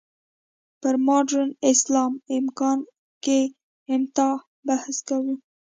پر «مډرن اسلام، امکان که امتناع؟» بحث کوو.